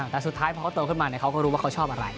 แต่สุดท้ายพอเขาโตขึ้นมาเขาก็รู้ว่าเขาชอบอะไร